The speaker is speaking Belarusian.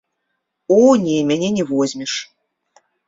О, не, мяне не возьмеш.